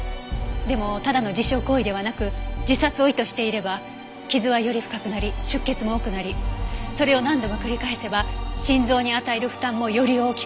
でもただの自傷行為ではなく自殺を意図していれば傷はより深くなり出血も多くなりそれを何度も繰り返せば心臓に与える負担もより大きく。